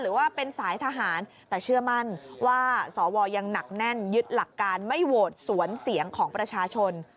หรือว่าเป็นสายทหารแต่เชื่อมั่นว่าสวยังหนักแน่นยึดหลักการไม่โหวตสวนเสียงของประชาชน